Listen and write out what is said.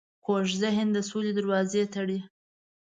کوږ ذهن د سولې دروازه تړي